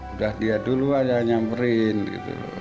udah dia duluan yang nyamperin gitu loh